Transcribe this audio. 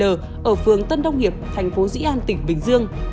ở phương tân đông hiệp tp dĩ an tỉnh bình dương